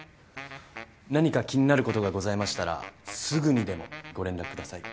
何か気になることがございましたらすぐにでもご連絡ください。